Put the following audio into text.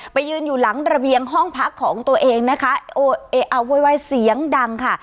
ยืนอยู่หลังระเบียงห้องพักของตัวเองนะคะโวยวายเสียงดังค่ะ